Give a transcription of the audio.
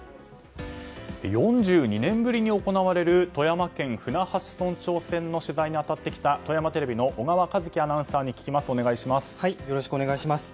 ４２年ぶりに行われる富山県舟橋村長選の取材に当たってきた富山テレビの尾川知輝アナウンサーに聞きます。